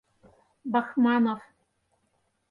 Бахманов.